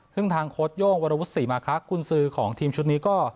ซึ่งทางโคตรโย่งวรวุฒิมะคะกุญสือของทีมชุดนี้ก็